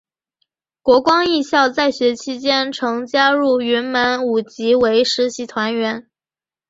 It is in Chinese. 国光艺校在学期间曾加入云门舞集为实习团员。